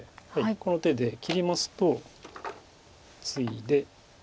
この手で切りますとツイで。